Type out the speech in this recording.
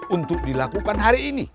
untuk dilakukan hari ini